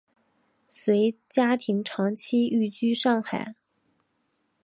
随家庭长期寓居上海。